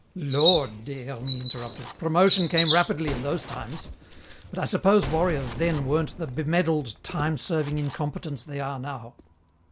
"Lord!" Des Hermies interrupted, "promotion came rapidly in those times. But I suppose warriors then weren't the bemedalled, time serving incompetents they are now."